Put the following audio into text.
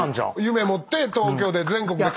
夢持って東京で全国で。